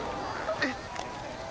えっ！？